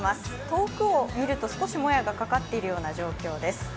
遠くを見ると少しもやがかかっている状況です。